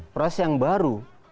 proses yang baru